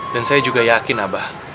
dan saya juga yakin aba